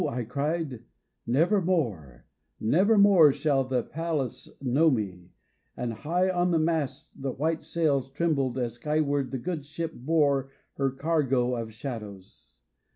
" I cried, " Nevermore, Nevermore shall the palace know me ;" and high on the masts The white sails trembled as skyward the good ship bore Her cargo of shadows.